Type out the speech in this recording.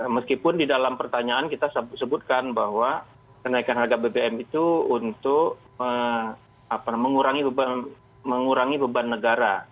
meskipun di dalam pertanyaan kita sebutkan bahwa kenaikan harga bbm itu untuk mengurangi beban negara